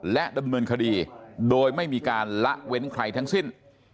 และดำเนินคดีโดยไม่มีการละเว้นใครทั้งสิ้น